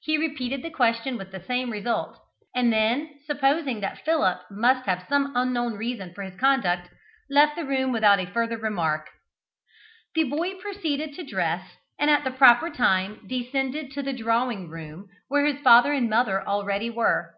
He repeated the question with the same result, and then, supposing that Philip must have some unknown reason for his conduct, left the room without further remark. The boy proceeded to dress and, at the proper time, descended to the drawing room, where his father and mother already were.